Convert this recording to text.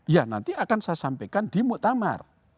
ya nanti akan saya sampaikan di muktamar